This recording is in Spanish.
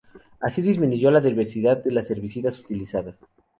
Así disminuyo la diversidad de las herbicidas utilizadas.